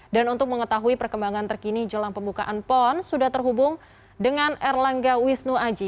dan untuk mengetahui perkembangan terkini jelang pembukaan pon sudah terhubung dengan erlangga wisnu aji